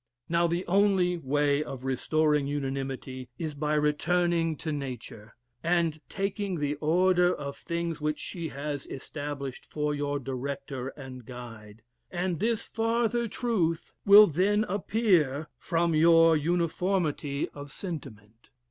"Now the only way of restoring unanimity is by returning to nature, and taking the order of things which she has established for your director and guide, and this farther truth will then appear from your uniformity of sentiment.